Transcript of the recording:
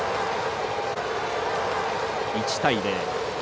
１対０。